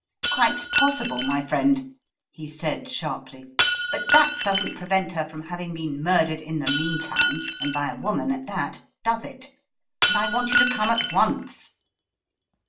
"Quite possible, my friend," he said sharply, 27 28 The Riddle of tlw Purple Emperor "but that doesn't prevent her from having been murdered in the meantime, and by a woman at that, does it? And I want you to come at once.